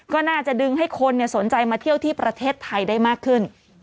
ก็น่าจะดึงให้คนสนใจมาเที่ยวที่ประเทศไทยได้มากขึ้น